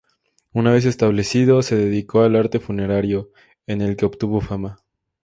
Una vez establecido, se dedicó al arte funerario, en el que obtuvo fama.